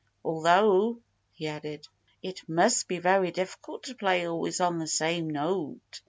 "Although," he added, "it must be very difficult to play always on the same note.